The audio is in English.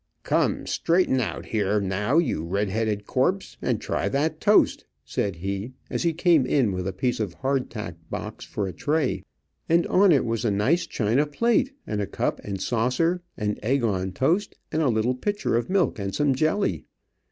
"Come, straighten out here, now, you red headed corpse, and try that toast," said he, as he came in with a piece of hard tack box for a tray, and on it was a nice china plate, and a cup and saucer, an egg on toast, and a little pitcher of milk, and some jelly.